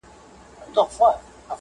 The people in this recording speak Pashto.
زموږ د هیلو مړاوي شوي ګلان